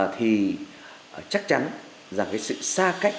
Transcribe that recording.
thì chắc chắn rằng sự xa cách